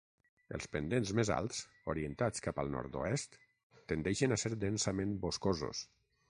Els pendents més alts, orientats cap al nord-oest, tendeixen a ser densament boscosos.